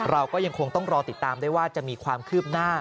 เราก็ยังคงต้องรอติดตามได้ว่าจะมีความคืบหน้า